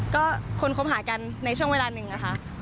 ก็คนคบหากันในช่วงเวลาหนึ่งนะคะ